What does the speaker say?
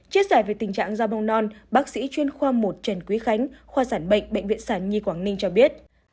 chia sẻ về tình trạng da bông non bác sĩ chuyên khoa một trần quý khánh khoa sản bệnh bệnh viện sản nhi quảng ninh cho biết